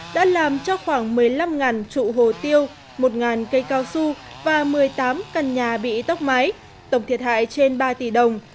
đã làm cho khoảng một mươi năm trụ hồ tiêu một cây cao su và một mươi tám căn nhà bị tốc mái tổng thiệt hại trên ba tỷ đồng